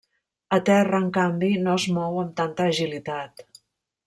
A terra, en canvi, no es mou amb tanta agilitat.